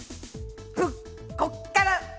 こっから。